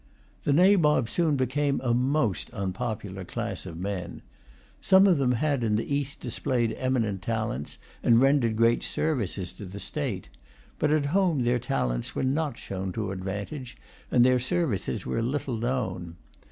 The Nabobs soon became a most unpopular class of men. Some of them had in the East displayed eminent talents, and rendered great services to the state; but at home their talents were not shown to advantage, and their services were little known.